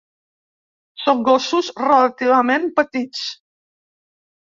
Són gossos relativament petits.